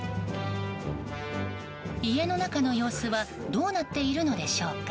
家の中の様子はどうなっているのでしょうか？